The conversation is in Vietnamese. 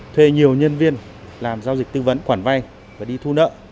thuê nhiều nhân viên làm giao dịch tư vấn khoản vay và đi thu nợ